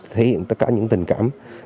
thể hiện tất cả những tình cảm